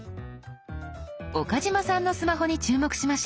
岡嶋さんのスマホに注目しましょう。